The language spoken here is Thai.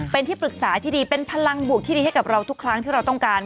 เป็นที่ปรึกษาที่ดีเป็นพลังบวกที่ดีให้กับเราทุกครั้งที่เราต้องการ